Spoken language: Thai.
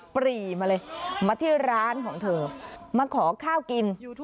ปรีมาเลยมาที่ร้านของเธอมาขอข้าวกิน